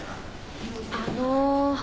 あの。